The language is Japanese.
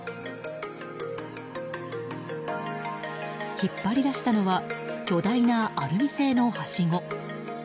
引っ張り出したのは巨大なアルミ製のはしご。